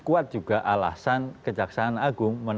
kuat juga alasan kejaksaan agung